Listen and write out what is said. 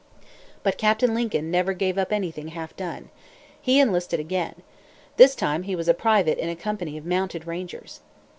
But Captain Lincoln never gave up anything half done. He enlisted again. This time he was a private in a company of mounted rangers.